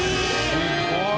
すごい！